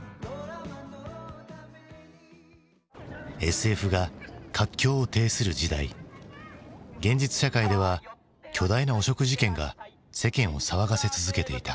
ＳＦが活況を呈する時代現実社会では巨大な汚職事件が世間を騒がせ続けていた。